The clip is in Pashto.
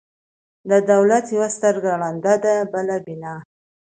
د دولت یوه سترګه ړنده ده، بله بینا.